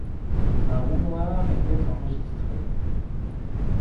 Un manoir était enregistré.